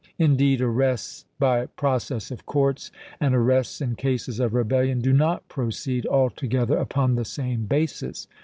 Indeed, arrests by process of courts and arrests in cases of rebellion do not proceed altogether upon the same basis.